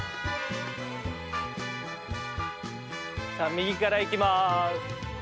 右からいきます。